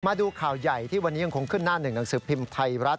มาดูข่าวใหญ่ที่วันนี้ยังคงขึ้นหน้าหนึ่งหนังสือพิมพ์ไทยรัฐ